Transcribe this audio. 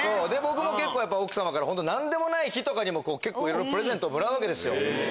僕も結構奥さまから何でもない日とかにもプレゼントをもらうわけですよ。